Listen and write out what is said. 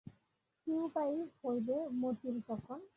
কী উপায় হইবে মতির তখন?